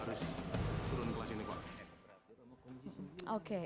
kenapa harus turun kelas ini